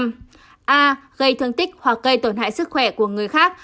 a gây thương tích hoặc gây tổn hại sức khỏe của người khác